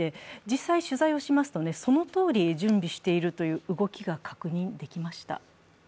実際、取材をしますとそのとおり準備しているという動きが確認できました。